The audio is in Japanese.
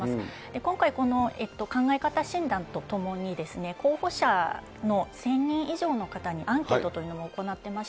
今回、この考え方診断とともに、候補者の１０００人以上の方にアンケートというものを行ってまし